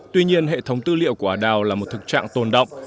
tuy nhiên hệ thống tư liệu của ả đào là một thực trạng tồn động